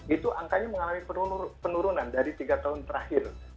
itu angkanya mengalami penurunan dari tiga tahun terakhir